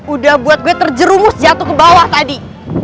udah buat gue terjerumus jatuh ke bawah tadi